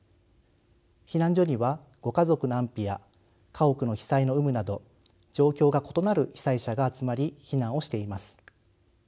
避難所にはご家族の安否や家屋の被災の有無など状況が異なる被災者が集まり避難をしています。